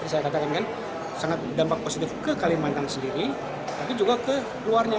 saya katakan kan sangat berdampak positif ke kalimantan sendiri tapi juga ke luarnya